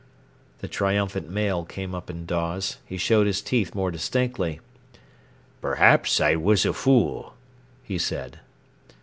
The triumphant male came up in Dawes. He showed his teeth more distinctly. "Perhaps I was a fool," he said.